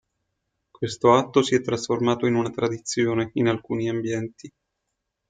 Questo atto si è trasformato in una tradizione in alcuni ambienti.